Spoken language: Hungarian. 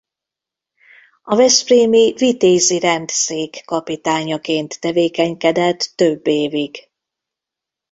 A veszprémi Vitézi Rend Szék kapitányaként tevékenykedett több évig.